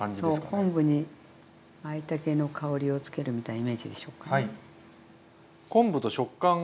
昆布にまいたけの香りをつけるみたいなイメージでしょうかね。